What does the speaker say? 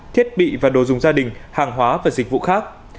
thiết bị và đồ dùng gia đình hàng hóa và dịch vụ khác